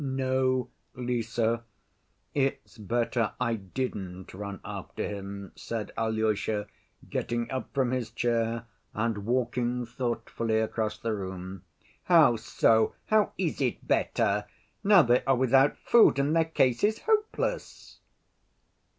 "No, Lise; it's better I didn't run after him," said Alyosha, getting up from his chair and walking thoughtfully across the room. "How so? How is it better? Now they are without food and their case is hopeless?"